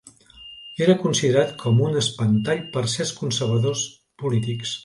Era considerat com un espantall per certs conservadors polítics.